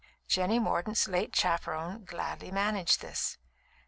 Jenny Mordaunt's late chaperon gladly managed this.